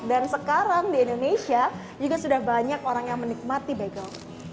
dan sekarang di indonesia juga sudah banyak orang yang menikmati bagel